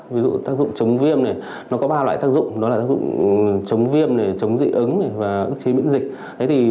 ví dụ tác dụng chống viêm này nó có ba loại tác dụng đó là tác dụng chống viêm chống dị ứng và ức chế miễn dịch